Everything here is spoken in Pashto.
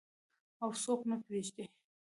او څوک نه پریږدي.